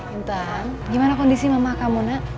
intan gimana kondisi mama kamu nak